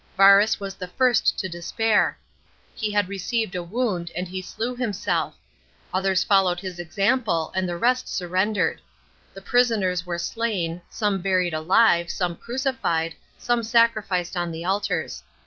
Varus was the first to despair; he had received a wound, and he slew himself. Others followed his example; and the rest surrendered. The prisoners were slain, some buried alive, some crucified, some sacrificed on the altars.